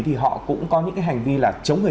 thì họ cũng có những cái hành vi là chống người